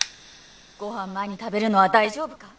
ご飯前に食べるのは大丈夫か？